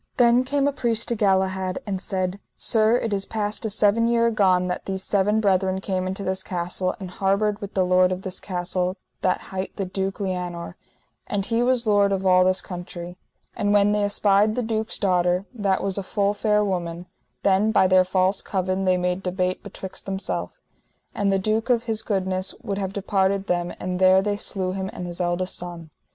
Then came a priest to Galahad, and said: Sir, it is past a seven year agone that these seven brethren came into this castle, and harboured with the lord of this castle that hight the Duke Lianour, and he was lord of all this country. And when they espied the duke's daughter, that was a full fair woman, then by their false covin they made debate betwixt themself, and the duke of his goodness would have departed them, and there they slew him and his eldest son.